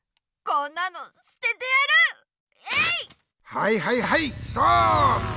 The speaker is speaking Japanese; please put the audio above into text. はいはいはいストーップ！